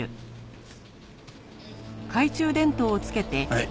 はい。